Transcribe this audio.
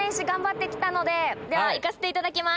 行かせていただきます。